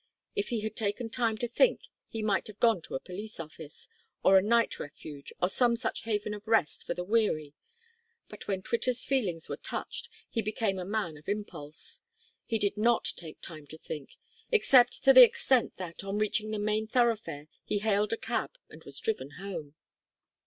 If he had taken time to think he might have gone to a police office, or a night refuge, or some such haven of rest for the weary, but when Twitter's feelings were touched he became a man of impulse. He did not take time to think except to the extent that, on reaching the main thoroughfare, he hailed a cab and was driven home.